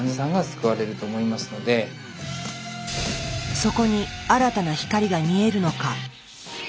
そこに新たな光が見えるのか。